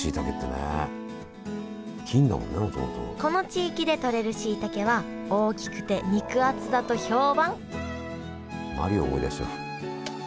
この地域でとれるしいたけは大きくて肉厚だと評判マリオ思い出しちゃう。